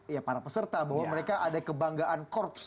ya para peserta bahwa mereka ada kebanggaan korps